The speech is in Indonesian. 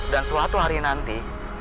dan suatu hari nanti